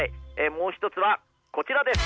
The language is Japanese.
もう一つはこちらです！